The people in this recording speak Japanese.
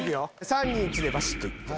３・２・１でバシっといってね。